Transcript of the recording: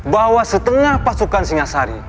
bahwa setengah pasukan singasari